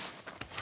あ。